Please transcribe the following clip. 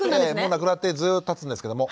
亡くなってずっとたつんですけども。